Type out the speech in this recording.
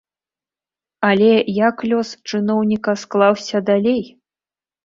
Але як лёс чыноўніка склаўся далей?